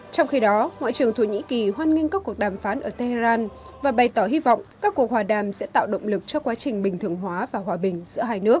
trong khi đó ngoại trưởng thổ nhĩ kỳ hoan nghênh các cuộc đàm phán ở tehran và bày tỏ hy vọng các cuộc hòa đàm sẽ tạo động lực cho quá trình bình thường hóa và hòa bình giữa hai nước